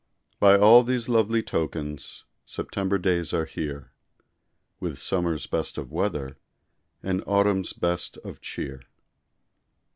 By all these lovely tokens September days are here, With summer's best of weather, And autumn's best of cheer.